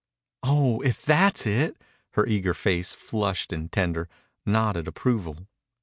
"Oh, if that's it!" Her eager face, flushed and tender, nodded approval.